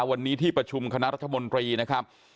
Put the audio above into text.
วันนี้ที่ประชุมคณะรัฐมนตรีนะครับ